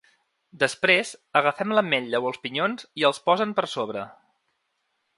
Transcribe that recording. Després agafem l’ametlla o els pinyons i els posen per sobre.